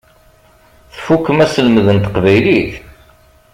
Tfukkem aselmed n teqbaylit?